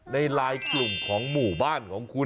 ในลายกลุ่มของหมู่บ้านของคุณ